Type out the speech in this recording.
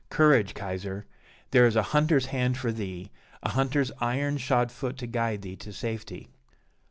Courage, Kaiser! there is a hunter's hand for thee, a hunter's iron shod foot to guide thee to safety.